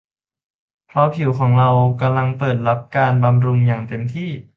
เพราะผิวของเรากำลังเปิดรับการบำรุงแบบเต็มที่